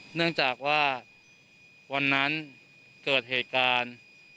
เนื่องจากว่าวันนั้นเกิดเหตุการณ์